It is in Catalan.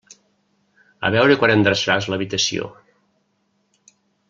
A veure quan endreçaràs l'habitació.